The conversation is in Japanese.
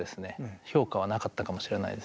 評価はなかったかもしれないです。